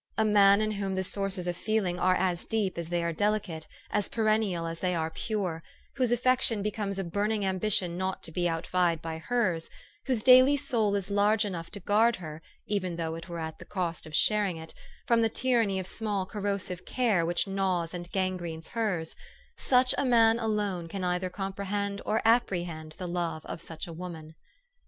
451 A man in whom the sources of feeling are as deep as they are delicate, as perennial as they are pure ; whose affection becomes a burning ambition not to be outvied by hers, whose daily soul is large enough to guard her, even though it were at the cost of sharing it, from the tyranny of small corrosive care which gnaws and gangrenes hers, ' such a man alone can either comprehend or apprehend the love of such a woman.